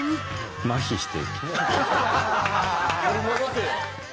まひして。